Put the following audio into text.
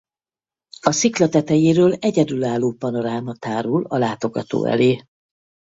A szikla tetejéről egyedülálló panoráma tárul a látogató elé.